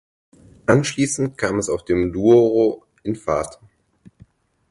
Anschließend kam es auf dem Douro in Fahrt.